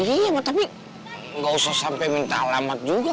iya tapi nggak usah sampai minta alamat juga